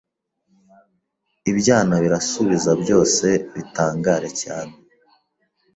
Ibyana birarusubiza byose bitangara cyane